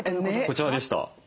こちらでした。